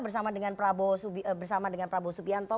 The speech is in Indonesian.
bersama dengan prabowo subianto